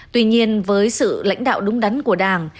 tuy nhiên với sự lãnh đạo đúng đắn của đảng